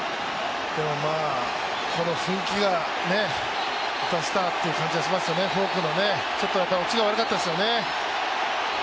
この雰囲気が出したという感じしますよね、フォークの、落ちが悪かったですね